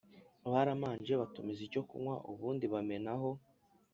baramanje batumiza icyokunwa ubundi bamenaho